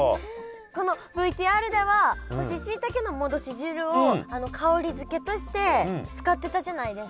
このＶＴＲでは干ししいたけの戻し汁を香り付けとして使ってたじゃないですか。